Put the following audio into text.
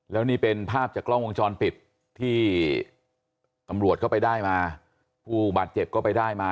แล้วนี่เป็นภาพจากกล้องวงจรปิดที่ตำรวจเข้าไปได้มาผู้บาดเจ็บก็ไปได้มา